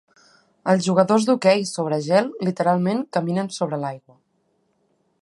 Els jugadors d'hoquei sobre gel literalment caminen sobre l'aigua.